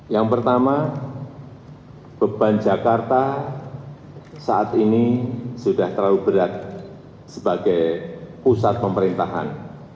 yang pertama beban jakarta saat ini sudah terlalu berat sebagai pusat pemerintahan